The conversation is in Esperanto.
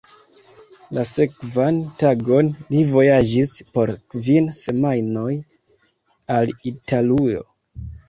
La sekvan tagon li vojaĝis por kvin semajnoj al Italujo.